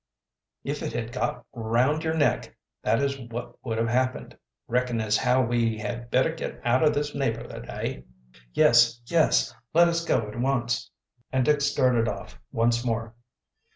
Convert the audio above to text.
"If it had got around your neck, that is what would have happened. Reckon as how we had better git out o' this neighborhood, eh?" "Yes, yes, let us go at once," and Dick started off once more.